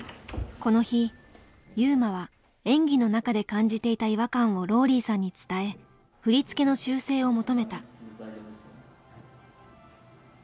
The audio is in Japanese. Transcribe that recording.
この日優真は演技の中で感じていた違和感をローリーさんに伝え振り付けの修正を求めた。